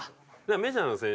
メジャーの選手